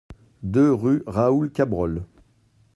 deux rue Raoul Cabrol